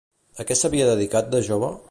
A què s'havia dedicat de jove?